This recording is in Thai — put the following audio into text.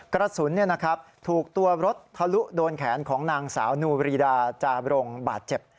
กระสุนถูกตัวรถทะลุโดนแขนของนางสาวนูบรีดาจาบรงบาดเจ็บ